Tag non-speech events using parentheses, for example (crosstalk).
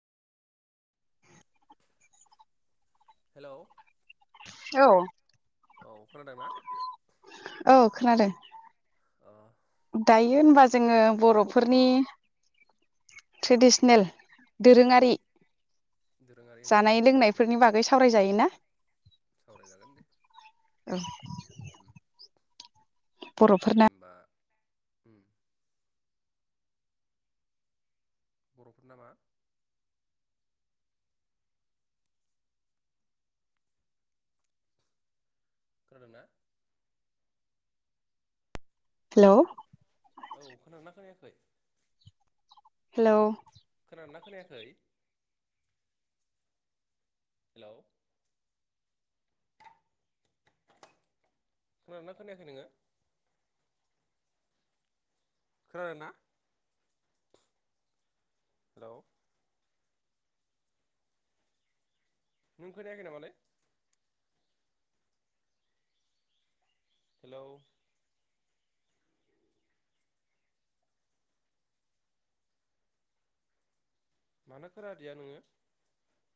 Hello औ। औ खोनादों ना? औ खोनादों। अह दायो होनबा जोङो बर'फोरनि ट्रेडिसनेल दोरोङारि दोरोङारि ओंख्रिनि जानाय सोमोन्दै लोंनायफोरनि बागै सावरायजायोना? सावराय जागोन दे। औ उम दे बर'फोरना होमबा उम। बर'फोरना मा खोनादों ना? हेलौ औ खोनादोंना खोनायाखै? हेलौ खोनादों ना खोनायाखै? हेल' (inaudible) खोनादोंना खोनायाखै नोङो? खोनादों ना? (inaudible) हेल' नों खोनायाखै नामालै? हेलौ मानो खादिया नोङो?